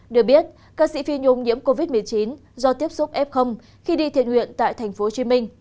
được biết ca sĩ phi nhung nhiễm covid một mươi chín do tiếp xúc f khi đi thiện nguyện tại tp hcm